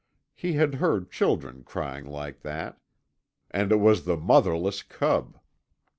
He had heard children crying like that; and it was the motherless cub!